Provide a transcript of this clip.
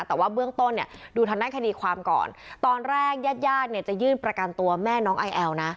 แต่ว่าเบื้องต้นเนี่ยดูทางด้านคดีความก่อนตอนแรกญาติญาติเนี่ยจะยื่นประกันตัวแม่น้องไอแอลนะ